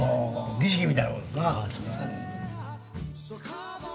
儀式みたいなものですな。